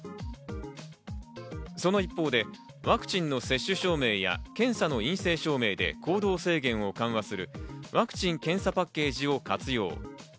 その一方でワクチンの接種証明や検査の陰性証明で行動制限を緩和するワクチン・検査パッケージを活用。